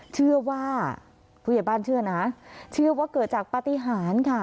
เชื่อว่าเพราะว่าเกิดจากปฏิหารค่ะ